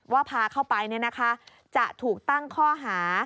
ว่าพาเข้าไปจะถูกตั้งข้อหา